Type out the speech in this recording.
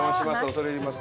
恐れ入ります。